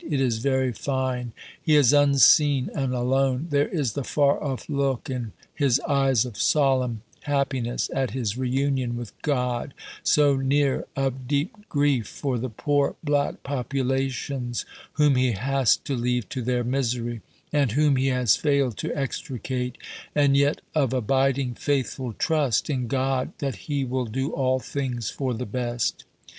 It is very fine. He is unseen and alone; there is the far off look in his eyes of solemn happiness at his reunion with God, so near, of deep grief for the poor black populations whom he has to leave to their misery, and whom he has failed to extricate; and yet of abiding, faithful trust in God that He will do all things for the best.